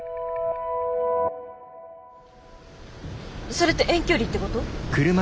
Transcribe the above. それって遠距離ってこと？